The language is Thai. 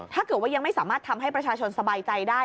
ถ้าเกิดว่ายังไม่สามารถทำให้ประชาชนสบายใจได้